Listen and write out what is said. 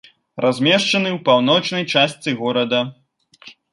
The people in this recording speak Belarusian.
Размешчаны ў паўночнай частцы горада.